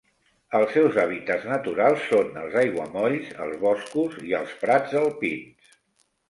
Els seus hàbitats naturals són els aiguamolls, els boscos i els prats alpins.